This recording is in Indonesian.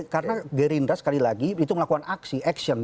karena gerindra sekali lagi itu melakukan aksi action